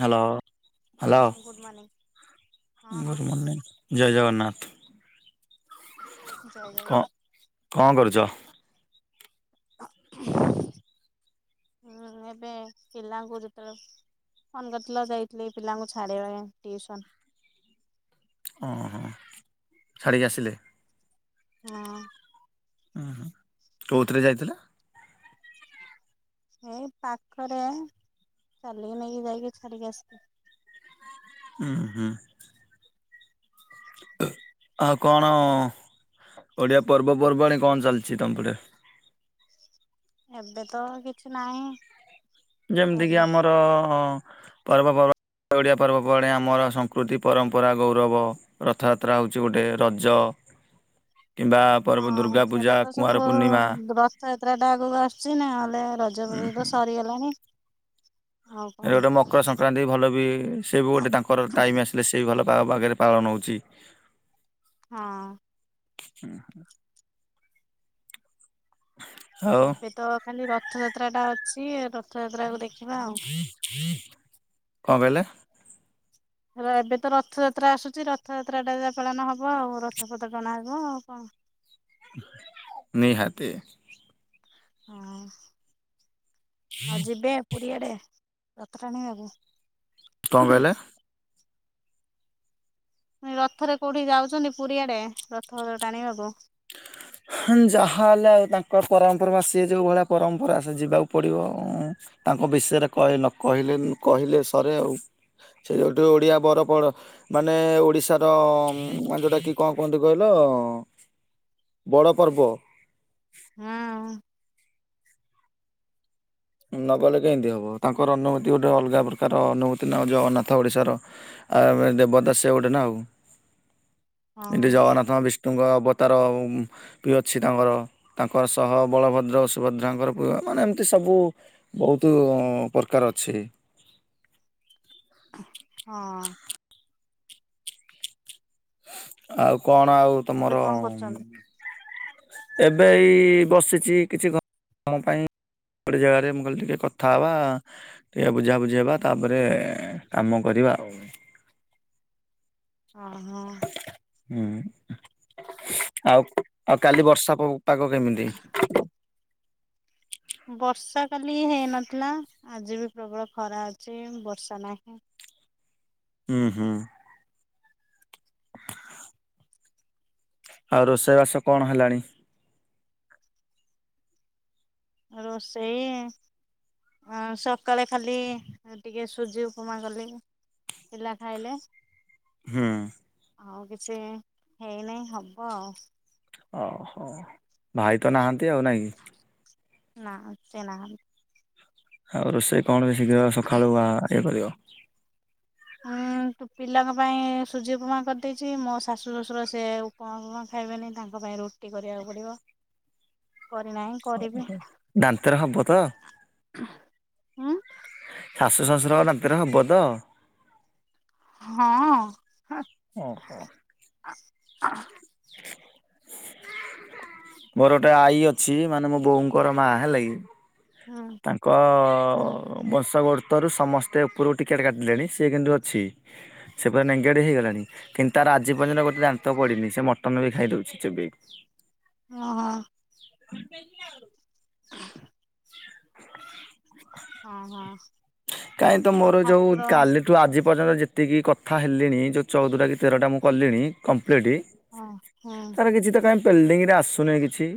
Hello hello ହୁଁ good morning good morning ଜୟ ଜଗନ୍ନାଥ। ଜୟ କଣ ଜଗନ୍ନାଥ। କଣ କରୁଚ? ହୁଁ ଏବେ ପିଲାଙ୍କୁ ଯେତେବେଳେ ଫୋନ କରିଥିଲ ଯାଇଥିଲି ଏ ପିଲାଙ୍କୁ ଛାଡିବା ପାଇଁ ଟିଉସନ। ହଁ ହଁ ଛାଡିକି ଆସିଲେ? ହଁ। ଉଁ ହୁଁ କୋଉଥିରେ ଯାଇଥିଲେ? ଏଇ ପାଖରେ ଚାଲିକି ନେଇକି ଯାଇକି ଛାଡିକି ଆସି ଉୁଁ ହୁଁ। ଆଉ କଣ ଓଡ଼ିଆ ପର୍ବପର୍ବାଣି କଣ ଚାଲିଛି ତମ ପଟେ? ଏବେ ତ କିଛି ନାହିଁ। ଯେମିତିକି ପର୍ବ ଆମର ପର୍ବପର୍ବା ଓଡ଼ିଆ ପର୍ବ ପଡେ ଆମର ସଂକୃତି, ପରମ୍ପରା, ଗୌରବ। ରଥଯାତ୍ରା ହଉଛି ଗୋଟେ ରଜ କିମ୍ବା ପର୍ବ ହଁ ଦୁର୍ଗା ପୂଜା ସେଟା ତ କୁମାର ସବୁ ପୂର୍ଣ୍ଣିମା ହୁଁ, ରଥଯାତ୍ରା ଟା ଆଗକୁ ଆସୁଛି ନା, ହେଲେ ରଜ ଉଁ ଫଜ ହୁଁ। ତ ସ ହେଇ ଗଲାଣି। ଏ ଗୋଟେ ମକର ସଂକ୍ରାନ୍ତି ଭଲ ବି ସିଏ ବି ଗୋଟେ ତାଙ୍କର ଟାଇମ୍ ଆସିଲେ ସେ ଭଲ ବା- ବାଗରେ ପାଳନ ହଉଛି। ହଁ। ହୁଁ, ହୁଁ। ଆଉ ଏବେ ତ ଖାଲି ରଥଯାତ୍ରା ଟା ଅଛି, ଏ ରଥଯାତ୍ରାକୁ ଦେଖିବା ଆଉ। କଣ କହିଲେ? ରେ- ଏବେ ତ ରଥଯାତ୍ରା ଆସୁଛି, ରଥଯାତ୍ରାଟା ଯା ପାଳନ ହବ ଆଉ, ରଥ ପଥ ଟଣା ହେବ ଆଉ କଣ। ନିହାତି। ହଁ ଆଉ ଯିବେ ପୁରୀ ଆଡେ ରଥ ଟାଣିବାକୁ? କଣ କହିଲେ? ରଥରେ କୋଉଠିକି ଯାଉଛନ୍ତି ପୁରୀ ଆଡ଼େ ରଥ ପଥ ଟାଣିବାକୁ? ହୁଁ, ଯାହା ହେଲେ ଆଉ ତାଙ୍କ ପରମପୂର୍ବା ସିଏ ଯୋଉ ଭଳିଆ ପରମ୍ପରା ସେ ଯିବାକୁ ପଡ଼ିବ ଆଉ। ତାଙ୍କ ବିଷୟରେ କଇ ନ କହିଲେ କହିଲେ ସରେ ଆଉ। ସେଉଠୁ ଓଡିଆ ବରପଡ ମାନେ ଓଡ଼ିଶାର ମାନେ ଯୋଉଟା କି କଣ କୁହନ୍ତି କହିଲ ବଡ଼ ପର୍ବ। ହଁ। ନ ଗଲେ କେମିତି ହବ? ତାଙ୍କର ଅନୁଭୂତି ଗୋଟେ ଅଲଗା ପ୍ରକାର ଅନୁଭୂତି ନା ଜଗନ୍ନାଥ ଓଡ଼ିଶାର। ଆମେ ଦେବତା ସିଏ ଗୋଟେ ନା ଆଉ। [inaudible] ଏଠି ଜଗନ୍ନାଥ ବିଷ୍ଣୁଙ୍କର ଅବତାର ଆଉ ବି ଅଛି ତାଙ୍କର ତାଙ୍କର ସହ ବଳଭଦ୍ର, ସୁୁଭଦ୍ରାଙ୍କର ପୁ- ମାନେ ଏମିତି ସବୁ ବହୁତୁ ପ୍ରକାର ଅଛି। ହଁ। ଆଉ କଣ ଆଉ ଏବେ ତୋମର କଣ କରୁଛନ୍ତି? ଏବେ ଏଇ ବସିଛି କିଛି [inaudible] ପାଇଁ। ଗୋଟେ ଜାଗାରେ ମୁଁ କହିଲି ଟିକେ କଥା ହବା। ଟିକେ ବୁଝା ବୁଝି ହେବା ତାପରେ କାମ କରିବା ଆଉ। ହଁ, ହଁ। ହୁଁ, ଆଉ ଆଉ କାଲି ବର୍ଷା ପ-ପାଗ କେମିତି? ବର୍ଷା କାଲି ହେଇନଥିଲା। ଆଜି ବି ପ୍ରବଳ ଖରା ଅଛି। ବର୍ଷା ନାହିଁ। ହୁଁ, ହୁଁ। [inaudible] ଆଉ ରୋଷେଇବାସ କଣ ହେଲାଣି? ରୋଷେଇ ଅଁ, ସକାଳେ ଖାଲି ଟିକେ ସୁଜି ଉପମା କଲି। ପିଲା ଖାଇଲେ। ହଁ। ଆଉ କିଛି ହେଇନାହିଁ ହବ ଆଉ। ଓହୋ, ଭାଇ ତ ନାହାନ୍ତି ଆଉ ନା କି? ନା ସିଏ ନାହାନ୍ ଆଉ ରୋଷେଇ କଣ ବି ଶୀଘ୍ର ସକାଳୁ ବା ଇଏ କରିବ। କିନ୍ତୁ ପିଲାଙ୍କ ପାଇଁ ସୁଜି ଉପମା କରିଦେଇଛି ମୋ ଶାଶୁ ଶ୍ୱଶୁର ସେ ଉପମା ଫୁଫମା ଖାଇବେନି ତାଙ୍କ ପାଇଁ ରୁ ଟି କରିବାକୁ ପଡ଼ିବ କରିନାହିଁ କରିବି। ଦାନ୍ତରେ ହବ ତ ହୁଁ। ଶାଶୁ ଶ୍ୱଶୁରଙ୍କ ଦାନ୍ତ ରେ ହବ ତ। ହଁ। ଓହୋଃ। [inaudible] ମୋର ଗୋଟେ ଆଈ ଅଛି ମାନେ ମୋ ବୋଉଙ୍କର ମା ହେଲା କି‌। ହୁଁ। ତାଙ୍କ ବଂଶବର୍ତ୍ତ ରୁ ସମସ୍ତେ ଉପରକୁ ଟିକେଟ୍ କାଟିଲେଣି ସିଏ କିନ୍ତୁ ଅଛି। ସିଏ ପୁରା ନେଙ୍ଗେଡ଼ି ହେଇଗଲାଣି। କିନ୍ତୁ ତାର ଆଜି ପର୍ଯ୍ୟନ୍ତ ଗୋଟେ ଦାନ୍ତ ପଡି଼ନି ସେ ମଟନ ବି ଖାଇ ଦଉଛି ଚୋବେଇ କି। ଓ ହୋ। [inaudible] ହଁ ହଁ। କାହିଁ ତ ଆଉ ମୋର ଯୋଉ ଠାକୁର କାଲି ଠୁ ଆଜି ପର୍ଯ୍ୟନ୍ତ ଯେତିକି କଥା ହେଲିଣି ଯୋଉ ଚଉଦଟା କି ତେରଟା ମୁଁ କଲିଣି କମ୍ପ୍ଲିଟ୍। ହଁ ହୁଁ। ତାର କିଛି ତ କାହିଁ ପେଲ୍ଡିଙ୍ଗ୍ ରେ ଆସୁନେଇଁ କିଛି।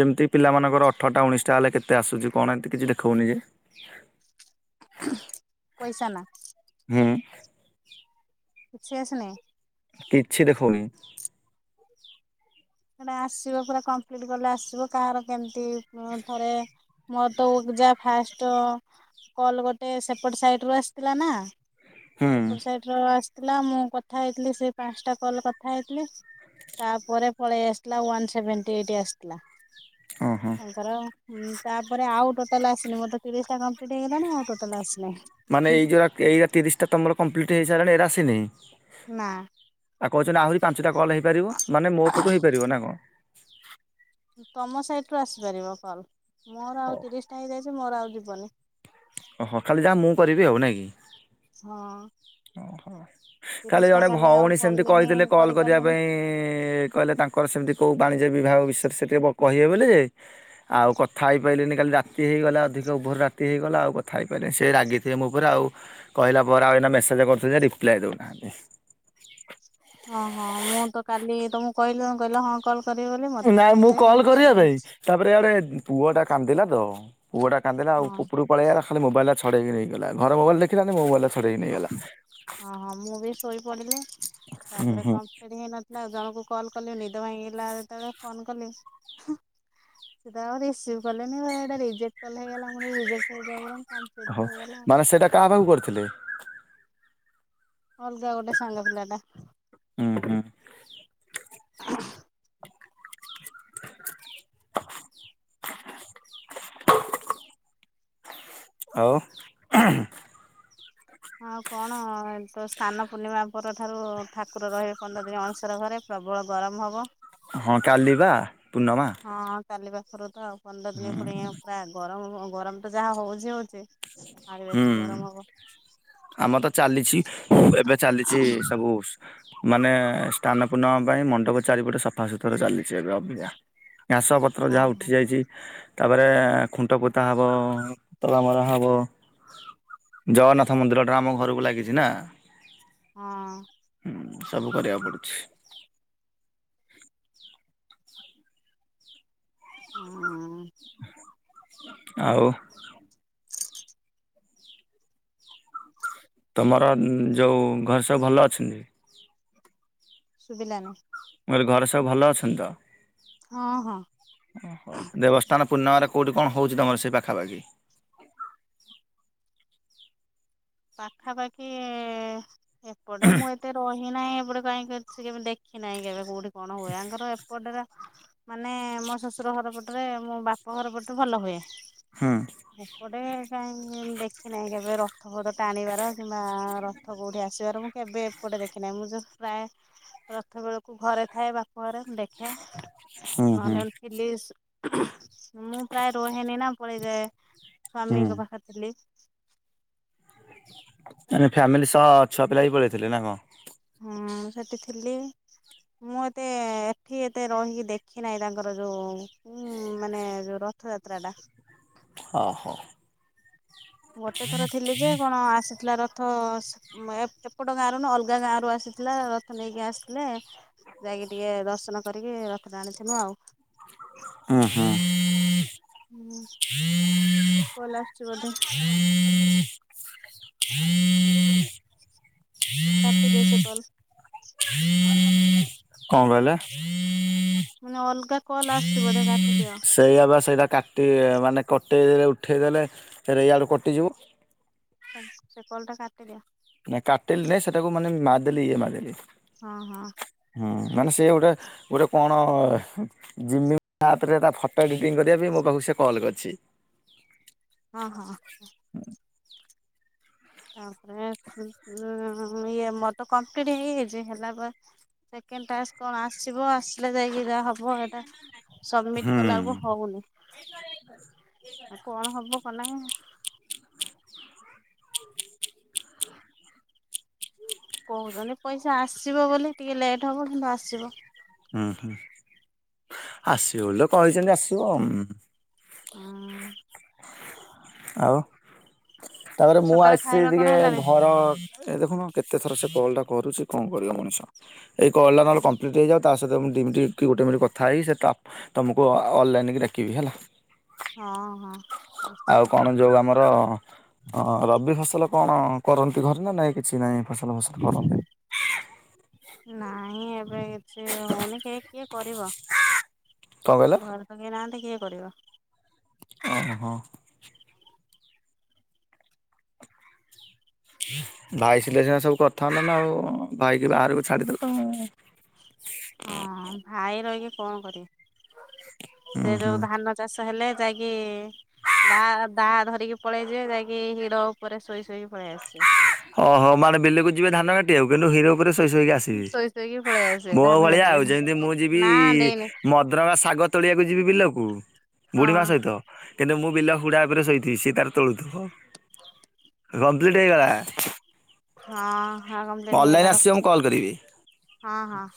ଯେମତି ପିଲାମାନଙ୍କର ଅଠରଟା ଉଣେଇଶ ଟା ହେଲେ କେତେ ଆସୁଛି କଣ ଏମତି କିଛି ଦେଖଉନି କି। ପଇସା ନା। ହୁଁ। କିଛି ଅସିନି। କିଛି ଦେଖଉନି। ସେଇଟା ଆସିବ ପୁରା କମ୍ପ୍ଲିଟ୍ କଲେ ଆସିବ କାହାର କେମତି ଉଁ ଥରେ। ମୋର ତ ଉକ୍ ଯା ଫାଷ୍ଟ। କଲ୍ ଗୋଟେ ସେପଟ୍ ସାଇଟ୍ ରୁ ଆସିଥିଲା ନା, ହୁଁ ସେପଟ୍ ସାଇ ଟ୍ରୁ ଆସିଥିଲା ମୁଁ କଥା ହେଇଥିଲି ସେଇ ପାଂଶ ଟା କଲ୍ କଥା ହେଇଥିଲି ତାପରେ। ପଳେଇ ଆସିଥିଲା ୱାନ୍ ସେଭେଣ୍ଟି ଏଇଟ୍ ଆସିଥିଲା ଓହୋ ତାଙ୍କର। ଉଁ ତାପରେ ଆଉ ଟୋଟାଲ୍ ଆସିନି ମୋର ତ ତିରିଶ୍ ଟା କମ୍ପ୍ଲିଟ୍ ହେଇଗଲାଣି ଆଉ ଟୋଟାଲ୍ ଆସିନେଇଁ। ମାନେ ଏଇ ଯୋଉରା ଏଇ ରା ତିରିଶ୍ ଟା ତମର କମ୍ପ୍ଲିଟ୍ ହେଇସାଇଲାଣି ଏଇରା ଆସିନେଇଁ। ନାଁ। ଆଉ କହୁଚନ୍ତି ଆହୁରି ପାଞ୍ଚୁଟା କଲ୍ ହେଇପାରିବ ମାନେ ମୋ ପଟୁ ହେଇପାରିବ ନା କଁ। ତମ ସାଇଟ୍ ରୁ ଆସିପାରିବ କଲ୍ ମୋର ଆଉ ତିରିଶ ଟା ହେଇଯାଇଛି ମୋର ଆଉ ଯିବନି। ଓହୋ ଖାଲି ଯା ମୁଁ କରିବି ଆଉ ନାଇଁ କି। ହଁ। ଓ ହୋ କାଲି ତିରିଶ ଟା ଜଣେ ଆଉ ଭଉଣୀ ସେମିତି କଲିନି କହିଥିଲେ କଲ୍ କରିବା କରିପାରିଲିନି। ପାଇଁ କଇଲେ ତାଙ୍କୁ। ତାଙ୍କର ସେମତି କୋଉ ବାଣିଜ୍ୟ ବିଭାଗ ବିଷୟରେ ସେ ଟିକେ ବ କହିବେ ବୋଲି ଯେ। ଆଉ କଥା ହେଇ ପାଇଲିନି କାଲି ରାତି ହେଇଗଲା ଅଧିକ ଓଭର୍ ରାତି ହେଇଗଲା ଆଉ କଥା ହେଇ ପାଇଲିନି ସେ ରାଗି ଥି ଥିବେ ମୋ ଓପରେ ଆଉ କହିଲା ପରେ ଆଉ ଏଇନା ମେସେଜ୍ କରୁଛି ଯେ ରିପ୍ଲାଏ ଦଉ ନାହାଁନ୍ତି। ଅଁ ହଁ ମୁଁ ତ କାଲି ତମୁକୁ କହିଲି ତମେ କହିଲ ହଁ। କଲ୍ କରିବ ବୋଲି ମୋତେ ବି ନାଇଁ ନିଦ ହେଇଯାଇଛି କଲ୍ ମୁଁ କରିବା ସୋଇ ପାଇଁ ପଡିଛି। ତାପରେ ଇଆଡେ ପୁଅଟା କାନ୍ଦିଲା ତ ପୁଅଟା କାନ୍ଦିଲା ଆଉ ହଁ ଉପୁ ଉପୁରୁକୁ। ପଳେଇ ଆଇଲା ଖାଲି ମୋବାଇଲ୍ ଟା ଛଡ଼େଇକି ନେଇକି ଗଲା ଘରେ ମୋବାଇଲ୍ ଦେଖିଲାନି, ମୋ ମୋବାଇଲ୍ ଟା ଛ ହଁ, ହଁ, ମୁଁ ବି ଶୋଇପଡିଲି। ହୁଁ ତା'ପରେ ହୁଁ। କମ୍ପ୍ଲିଟ୍ ହେଇନ ନା, ଜଣଙ୍କୁ କଲ୍ କଲି ନିଦ ଭାଙ୍ଗିଲା, ଯେତେବେଳେ ଫୋନ୍ କଲି। ହୁଁ। ସେତ ଆଉ ରିସିଭ୍ କଲେନେଇଁ? ଏଁ-ଏଇଟା ରିଜେକ୍ଟ କଲ୍ ହେଇଗଲା। ମୁଁ କଇଲି ରିଜେକ୍ଟ ହେଇ ଯାଉ ବରଂ ମୁଁ କଂ ହୋଉ, ମାନେ ସେଇଟା କାହା ପାଖକୁ କରିଥିଲେ? ଅଲ୍ଗା ଗୋଟେ ସାଙ୍ଗ ପିଲା ଟା। ହୁଁ -ହୁଁ। [inaudible] [inaudible] ଆଉ ଉ-ହୁଁ। ଆଉ କଣ ତ ସ୍ନାନ ପୂର୍ଣ୍ଣିମା ପରଠାରୁ-ଉ ଠାକୁର ରହିବେ, ପନ୍ଦର ଦିନି ଅଣସର ଘରେ। ପ୍ରବଳ ଗରମ ହବ। ହଁ, କାଲି ବା ପୂର୍ଣ୍ଣମା। ହଁ, ହଁ, କାଲି ପା ଶ୍ରଦ୍ଧା, ଆଉ ପନ୍ଦର ଦିନି ହୁଁ ପୁଣି-ଇ -ପୁରା ଗରମ୍-ଉଁ-ଉଁ-ଗରମ୍ ତ ଯାଆ ହୋଉଛି ହୋଉଚି। ଆଉରି ହୁଁ ବେଶି ଗରମ୍ ହବ। ଆମର ତ ଚାଲିଛି, ଏବେ ଚାଲିଛି ସବୁ ଉସ୍ ମାନେ ଷ୍ଟାନ ପୂର୍ଣ୍ଣମା ପାଇଁ ମଣ୍ଡପ ଚାରିପଟେ ସଫା ସୁତର ଚାଲିଛି, ଏବେ ଅବିକା। ଘାସ ପତ୍ର ହଁ ଯାହା ଉଠି ହଁ ଯାଇଛି, ତା'ପରେ-ଏଁ-ଏଁ-ଖୁଣ୍ଟ ପୋତା ହବ-ଅଁ-ଅଁ-ତଳା ମରାହ ହବ। ଜଗନ୍ନାଥ ମନ୍ଦିରଟା ଆମ ଘରୁକୁ ଲାଗିଛି ନା। ହଁ-ଅଁ। ହୁଁ, ସବୁ କରିଆକୁ ପଡୁଛି। ହଁ-ଅଁ। ଆଉ। ତୁମର ଯଉ ଘରେ ସବୁ ଭଲ ଅଛନ୍ତି? ସୁୁଭିଲାନି। ମୁଁ କହିଲି ଘରେ ସବୁ ଭଲ ଅଛନ୍ତି ତ? ହଁ, ହଁ। [inaudible] ଦେବସ୍ ସ୍ନାନ ପର୍ଣ୍ଣମାରେ କଉଁଠ କଣ ହଉଛି ତମର ସେ ପାଖାପାଖି? ପାଖାପାଖି-ଇଁ ଏପଟେ ମୁଁ ଏତେ ରହିନାହିଁ। ଏପଟେ କାହିଁ କେତ୍ ସେ କେବେ ଦେଖି ନାହିଁ, କେବେ କୋଉଠି କଣ ହୁଏ? ୟାଙ୍କର ଏପଟରେ ମାନେ ମୋ ଶ୍ୱଶୁର ଘର ପଟରେ, ମୋ ବାପ ଘର ପଟେ ଭଲ ହୁଏ। ହୁଁ। ଏପଟେ କାହିଁ ଦେଖିିନାହିଁ, କେବେ ରଖ ରଥପଦ ଟାଣିବାର କିମ୍ବା ରଥ କଉଠି ଆସିବାର ମୁଁ କେବେ ଏପଟେ ଦେଖିନାହିଁ। ମୁଁ ଯଉ ପ୍ରାୟ ରଥ ବେଳକୁ ଘରେ ଥାଏ, ବାପ ଘରେ ମୁଁ ଦେଖେ। ହୁଁ ହୁଁ ନହେଲେ ଥିଲିସ୍ ମୁଁ ପ୍ରାୟ ରୁହେନି ନା ପଳେଇଯାଏ। ହୁଁ ସ୍ଵାମୀଙ୍କ ପାଖରେ ଥିଲି। ମାନେ ଫ୍ୟାମିଲି ସହ ଛୁଆ ପିଲା ବିି ପଳେଇଥିଲେ ନା କଣ? ହୁଁ ସେଠି ଥିଲି। ମୁଁ ଏତେ-ଏ ଏଠି ଏତେ ରହିକି ଦେଖି ନାହିଁ, ତାଙ୍କର ଯୋଉ-ଉଁ ଉଁ ମାନେ ଯଉ ରଥଯାତ୍ରାଟା। ହ, ହୋ। ଗୋଟେ ଥର ଥିଲି, ଯେ କଣ ଆସିଥିଲା ରଥ? ରଥ ସ ଏପଟ ଗାଁରୁ ନ ଅଲଗା ଗାଁରୁ ଆସିଥିଲା। ରଥ ନେଇକି ଆସିଥିଲା। ଯାଇକି ଟିକେ ଦର୍ଶନ କରିକି ରଥ ଟାଣିଥିନୁ ଆଉ। ହୁଁ ହୁଁ। ହୁଁ, କଲ ଆସୁଛି ବୋଧେ? କାଟିଦିଅ ସେ କଲ। କଁ କହିଲେ? ମୁଁ ନି ଅଲଗା କଲ୍ ଆସଛି ବୋଧେ କାଟିଦିଅ। [unintelligible] ସେଇଟା କା ଟି ମାନେ କଟେଇ ଦେଲେ ଉଠେଇ ଦେଲେ ଫେର ୟାଡୁୁ କଟିଯିବ। ସେ କଲ୍ଟା କାଟିଦିଅ। ନାଇଁ କାଟିଲି ନେଇଁ ସେଟାକୁ ମାନେ ମାରଦେଲି ଇଏ ମାରଦେଲି। ହଁ ହଁ। ହୁଁ, ମାନେ ସେ ଗୋଟେ ଗୋଟେ କଣ ଜିମି ଆପ ରେ ତା ଫଟୋ ଏଡ଼ିଟିଂ କରିବା ପାଇଁ ମୋ ପାଖକୁ ସେ କଲ୍ କରିଛି। ହଁ ହଁ। ତାପରେ ଇଏ ମ ତ କମ୍ପ୍ଲିଟ ହେଇଯାଇଛି ହେଲା ପ ସେକେଣ୍ଡ ଟାସ୍କ କଣ ଆସିବ ଆସିଲେ ଯାଇକି ଯାହା ହବ ଏଟା। ସବମିଟ ହୁଁ କଲା ଉକୁ ହଉନି ଆଉ କଣ ହବ କନାଇ। କହୁଛନ୍ତି ପଇସା ଆସିବ ବୋଲି ଟିକିଏ ଲେଟ୍ ହବ କିନ୍ତୁ ଆସିବ। ହୁଁ ହୁଁ, ଆସିବ ବୋଲି ତ କହିଛନ୍ତି ଆସିବ। ହଁ। ଆଉ ତାପରେ ହୁଁ ମୁଁ ସକାଳେ ଆସିଛି ଖାଇବା କଣ ଟିକେ ହେଲାଣି? ଘର ଏ ଦେଖୁନ କେତେ ଥର ସେ କଲ୍ ଟା କରୁଛି କଣ କରିବ ମଣିଷ ଏଇ କଲ୍ ଟା ନହେଲେ କମ୍ପ୍ଲିଟ ହେଇଯାଉ। ତା ସହିତ ମୁଁ ଦି ମିଟି ଗୋଟେ ମିଣ୍ଟ କଥା ହେଇ ସେ ତା ତମକୁ ଅ ଅନଲାଇନକି ଡାକିବି ହେଲା। ହଁ ହଁ। ଆଉ ନିଶ୍ଚିତ। କଣ ଯୋଉ ଆମର ଅ ରବି ଫସଲ କଣ କରନ୍ତି, ଘରେ ନା ନାଇଁ କିଛି ନାଇଁ? ଫସଲ ଫସଲ କରନ୍ତି। ନାଇଁ ଏବେ କିଛି ହଉନି କି କିଏ କରିବ। କଣ କହିଲ? ଘରେ ତ କେହି ନାହାନ୍ତି କିଏ କରିବ। ଓହ। ଭାଇ ଥିଲେ ସିନା ସବୁ କରିଥାନ୍ତା ନା ଭାଇକି ବାହାରକୁ ଛାଡିଦେଲ। ହଁ ଭାଇ ରହିକି କଁ କରିବେ, ହୁଁ ସେ ହୁଁ ଯୋଉ ଧାନ ଚାଷ ହେଲେ ଯାଇକି ଦା ଦା ଧରିକି ପଳେଇଯିବେ ଯାଇକି ହିଡ ଉପରେ ଶୋଇ ଶୋଇକି ପଳେଇ ଆସିବେ। ଓହୋ ମାନେ ବିଲକୁ ଯିବେ ଧାନ କାଟି ଆକୁ କିନ୍ତୁ ହୀର ଉପରେ ଶୋଇ ଶୋଇକି ଆସିବେ। ଶୋଇ ଶୋଇକି ପଳେଇ ଆସିବେ ମୋ ଧାନ ଭଳିଆ କାଟି ଆଉ କାଟି ଯେମିତି ମୁଁ ଯିବି ନା ଦେଇନି ମଦ୍ରକା ସାଗତ ତଳିବାକୁ ଯିବି ବିଲକୁ ବୁଢ଼ୀବା ହଁ। ସହିତ। କିନ୍ତୁ ମୁଁ ବିଲ ହୁଡା ଉପରେ ଶୋଇଥିବି ସିଏ ତାର ତୋଳୁ ଥିବ। କମ୍ପ୍ଲିଟ୍ ହେଇଗଲା। ହଁ ହ କମ୍ପ୍ଲିଟ ଅନଲାଇନ ହେଇଗଲା ଆସିବ ମୁଁ ରଖୁଛି କଲ୍ କରିବି। ହଁ ହଁ।